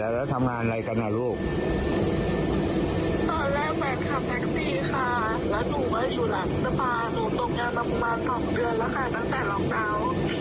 หนูตกยานประมาณ๒เดือนแล้วค่ะตั้งแต่รองเตาท์